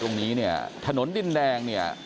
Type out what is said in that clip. คุณภูริพัฒน์บุญนิน